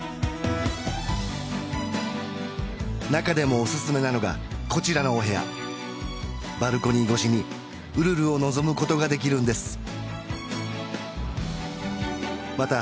中でもおすすめなのがこちらのお部屋バルコニー越しにウルルを望むことができるんですまた